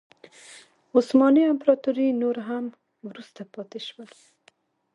عثماني امپراتوري نور هم وروسته پاتې شول.